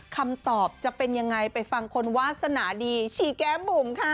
คำตอบจะเป็นยังไงไปฟังคนวาสนาดีชีแก้มบุ๋มค่ะ